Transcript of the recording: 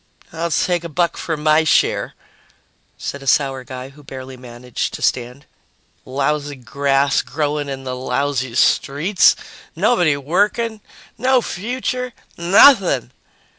"I'll take a buck for my share," said a sour guy who barely managed to stand. "Lousy grass growing in the lousy streets, nobody working, no future, nothing!"